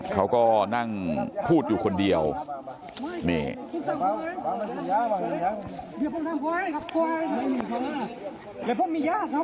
เขาก็นั่งพูดอยู่คนเดียวนี่